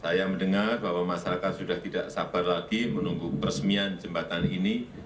saya mendengar bahwa masyarakat sudah tidak sabar lagi menunggu peresmian jembatan ini